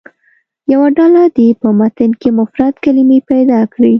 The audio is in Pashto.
یوه ډله دې په متن کې مفرد کلمې پیدا کړي.